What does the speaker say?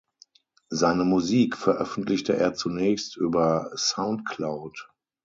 Seine Musik veröffentlichte er zunächst über Soundcloud.